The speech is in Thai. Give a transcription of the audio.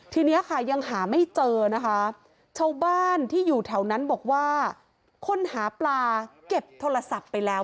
ทีนี้ค่ะยังหาไม่เจอนะคะชาวบ้านที่อยู่แถวนั้นบอกว่าคนหาปลาเก็บโทรศัพท์ไปแล้ว